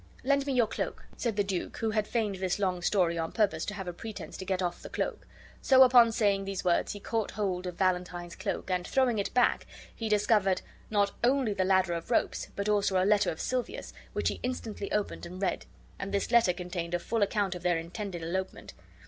"Lend me your cloak," said the duke, who had feigned this long story on purpose to have a pretense to get off the cloak; so upon saying these words he caught hold of Valentine's cloak and, throwing it back, he discovered not only the ladder of ropes but also a letter of Silvia's, which he instantly opened and read; and this letter contained a full account of their intended elopement.